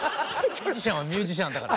ミュージシャンはミュージシャンだから。